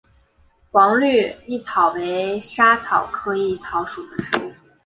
黄绿薹草为莎草科薹草属的植物。